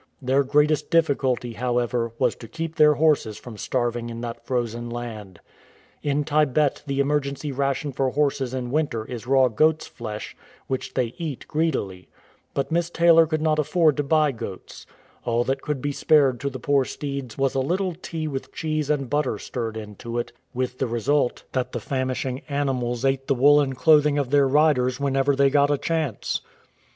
Their greatest difficulty, how ever, was to keep their horses from starving in that frozen land. In Tibet the emergency ration for horses in winter is raw goafs flesh, which they eat greedily ; but Miss Taylor could not afford to buy goats. All that could be spared to the poor steeds was a little tea with cheese and butter stirred into it, with the result that the famishing 86 IN THE CHUMBI VALLEY animals ate the woollen clothing of their riders whenever they got a chance.